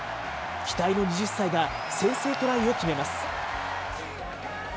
期待の２０歳が先制トライを決めます。